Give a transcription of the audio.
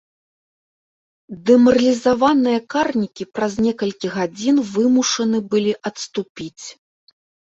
Дэмаралізаваныя карнікі праз некалькі гадзін вымушаны былі адступіць.